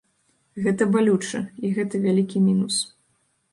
Гэта балюча і гэта вялікі мінус.